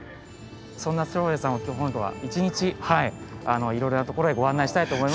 そんな照英さんを今日一日いろいろなところへご案内したいと思いますので。